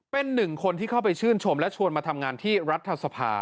เป็นหนึ่งคนที่เข้าไปชื่นชมและชวนมาทำงานที่รัฐสภา